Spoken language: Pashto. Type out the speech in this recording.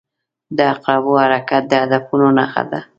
• د عقربو حرکت د هدفونو نښه ده.